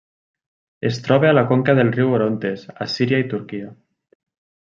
Es troba a la conca del riu Orontes a Síria i Turquia.